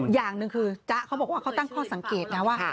อย่างหนึ่งคือจ๊ะเขาบอกว่าเขาตั้งข้อสังเกตนะว่า